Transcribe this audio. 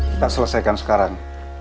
kita selesaikan sekarang